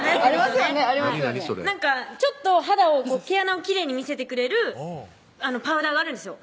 それちょっと肌を毛穴をきれいに見せてくれるパウダーがあるんですよ